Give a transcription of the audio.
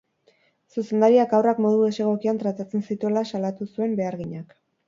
Zuzendariak haurrak modu desegokian tratatzen zituela salatu zuen beharginak.